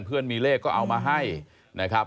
เพื่อนมีเลขก็เอามาให้นะครับ